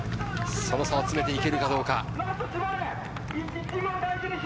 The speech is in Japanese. その差を詰めていけるかどうか。